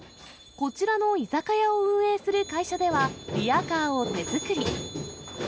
こちらの居酒屋を運営する会社では、リヤカーを手作り。